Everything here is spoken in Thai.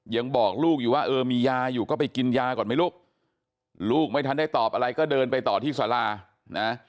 ยังบอกลูกอยู่ว่าเออมียาอยู่ก็ไปกินยาก่อนไหมลูกลูกไม่ทันได้ตอบอะไรก็เดินไปต่อที่สารานะ